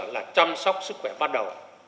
là chăm sóc sức khỏe ban đầu